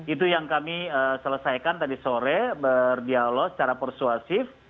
itu yang kami selesaikan tadi sore berdialog secara persuasif